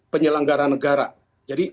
penyelenggara negara jadi